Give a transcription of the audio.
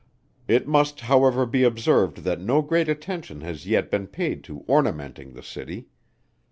It must, however, be observed that no great attention has yet been paid to ornamenting the City.